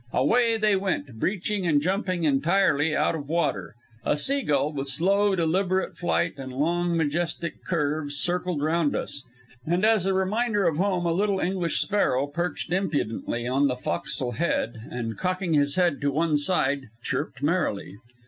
Away they went, breaching and jumping entirely out of water. A sea gull with slow, deliberate flight and long, majestic curves circled round us, and as a reminder of home a little English sparrow perched impudently on the fo'castle head, and, cocking his head on one side, chirped merrily.